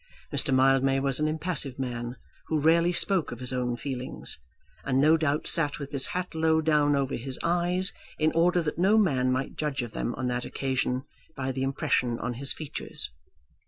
Mr. Mildmay was an impassive man who rarely spoke of his own feelings, and no doubt sat with his hat low down over his eyes in order that no man might judge of them on that occasion by the impression on his features.